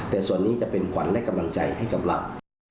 แต่ส่วนนี้จะเป็นขวัญและกำลังใจให้กับเรา